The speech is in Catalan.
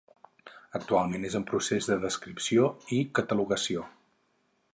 Actualment és en procés de descripció i catalogació.